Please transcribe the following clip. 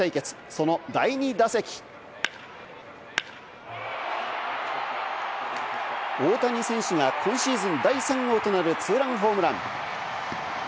その第２打席、大谷選手が今シーズン第３号となるツーランホームラン。